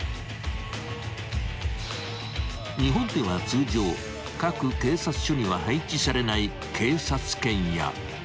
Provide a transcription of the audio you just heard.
［日本では通常各警察署には配置されない］